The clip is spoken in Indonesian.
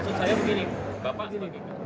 tapi pertanyaan saya begini